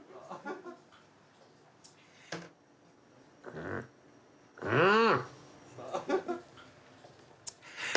うんうん！